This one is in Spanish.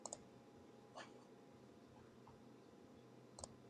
Bush, Gerald Ford, y Ronald Reagan, y al rey Hussein, de Jordania.